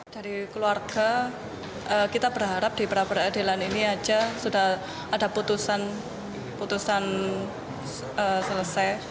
dari keluarga kita berharap di pra peradilan ini saja sudah ada putusan selesai